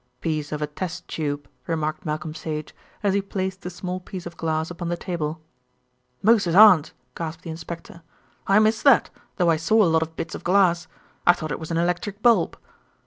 "Piece of a test tube," remarked Malcolm Sage, as he placed the small piece of glass upon the table. "Moses' aunt!" gasped the inspector. "I missed that, though I saw a lot of bits of glass. I thought it was an electric bulb."